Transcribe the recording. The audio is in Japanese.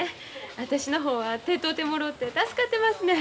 私の方は手伝うてもろうて助かってますねん。